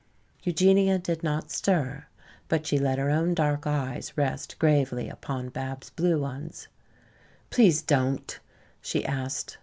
Eugenia did not stir. But she let her own dark eyes rest gravely upon Bab's blue ones. "Please don't," she asked.